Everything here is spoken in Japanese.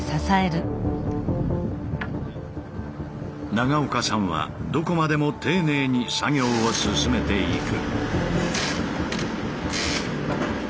長岡さんはどこまでも丁寧に作業を進めていく。